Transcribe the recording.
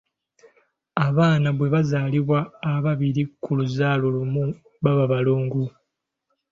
Abaana bwe bazaalibwa ababiri ku luzaala olumu baba balongo.